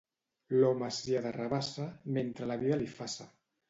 L'home sia de rabassa mentre la vida li faça.